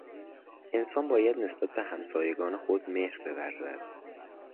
انسان باید نسبت به همسایگان خود مهر بورزد.